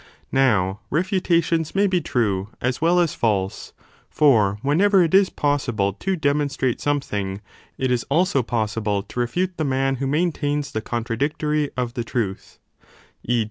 Now refutations may be true as well as false: for whenever it is possible to demonstrate something, it is also possible to refute the man who maintains the contradictory of the truth; e.